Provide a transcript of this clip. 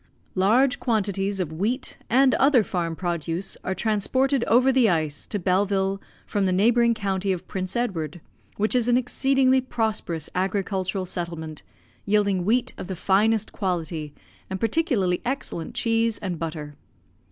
Large quantities of wheat and other farm produce are transported over the ice to Belleville from the neighbouring county of Prince Edward, which is an exceedingly prosperous agricultural settlement, yielding wheat of the finest quality, and particularly excellent cheese and butter.